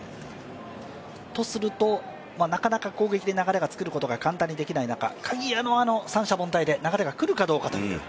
とすると、なかなか攻撃で流れを作ることが簡単にできないところで鍵谷のあの三者凡退で流れが来るかどうかという。